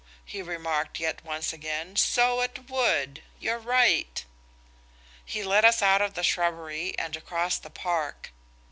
he remarked yet once again, "so it would. You're right!" He led us out of the shrubbery and across the park.